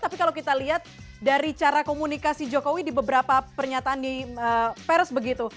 tapi kalau kita lihat dari cara komunikasi jokowi di beberapa pernyataan di pers begitu